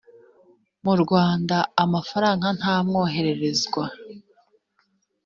mu rwanda amafaranga ntamwohererezwa